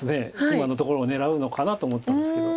今のところを狙うのかなと思ったんですけど。